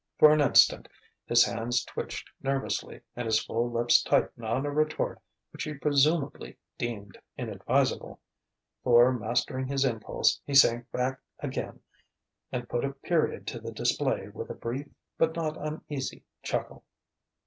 For an instant his hands twitched nervously and his full lips tightened on a retort which he presumably deemed inadvisable; for mastering his impulse, he sank back again, and put a period to the display with a brief but not uneasy chuckle.